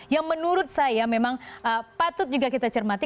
yang menurut saya memang patut juga kita cermati